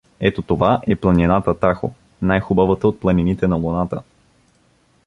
— Ето това е планината Тахо, най-хубавата от планините на Луната.